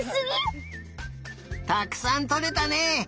たくさんとれたね。